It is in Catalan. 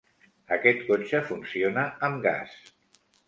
Aquest cotxe funciona amb gas.